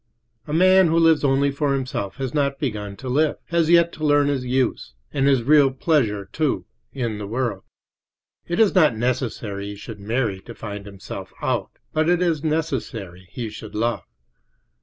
A man who lives only for himself has not begun to live—has yet to learn his use, and his real pleasure, too, in the world. It is not necessary he should marry to find himself out, but it is necessary he should love.